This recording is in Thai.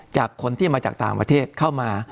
จากคนที่มาจากต่างประเทศเข้ามา